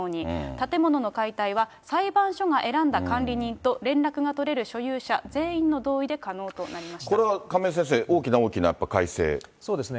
建物の解体は、裁判所が選んだ管理人と連絡が取れる所有者全員の同意で可能となこれは亀井先生、そうですね。